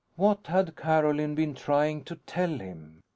What had Carolyn been trying to tell him?